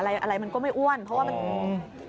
อะไรมันก็ไม่อ้วนเพราะว่าเปลี่ยนเป็นพลังงาน